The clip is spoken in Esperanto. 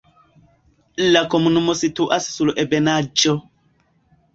La komunumo situas sur ebenaĵo.